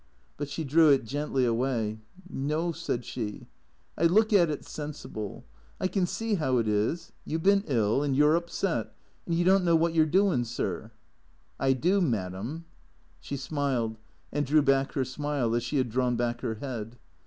But she drew it gently away. " No," said she. " I look at it sensible. I can see how it is. You 've been ill, and you 're upset, and you don't know what you 're doin' — sir." "I do — madam." She smiled and drew back her smile as she had drawn back her head.